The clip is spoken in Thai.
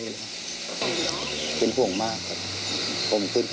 เพื่ือนห่วงมากผมคืนจะไม่ได้นอน